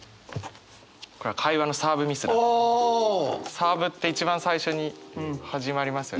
サーブって一番最初に始まりますよね。